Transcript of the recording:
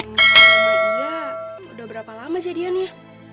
iya udah berapa lama jadiannya